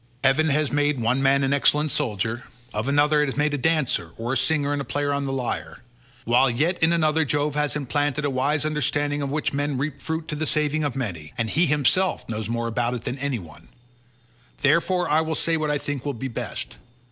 Heaven has made one man an excellent soldier; of another it has made a dancer or a singer and player on the lyre; while yet in another Jove has implanted a wise understanding of which men reap fruit to the saving of many, and he himself knows more about it than any one; therefore I will say what I think will be best.